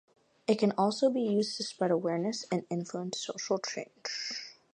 It can also be used to spread awareness and influence social change.